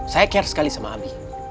saya care sekali sama ambi